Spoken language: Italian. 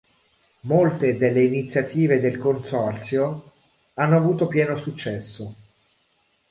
Molte delle iniziative del Consorzio hanno avuto pieno successo.